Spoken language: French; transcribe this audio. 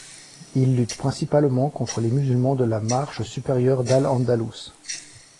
Il lutte principalement contre les musulmans de la Marche supérieure d'al-Andalus.